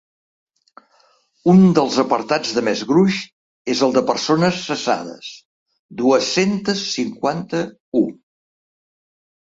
Un dels apartats de més gruix és el de persones cessades, dues-centes cinquanta-u.